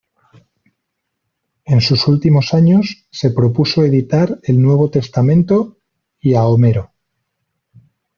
En sus últimos años se propuso editar el Nuevo Testamento y a Homero.